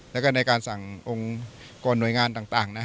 แล้วก็ในการสั่งองค์กรหน่วยงานต่าง